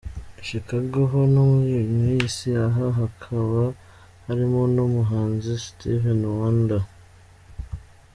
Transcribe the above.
I Chicago, ho muri Illinois, aha hakaba harimo n’umuhanzi Stevie Wonder.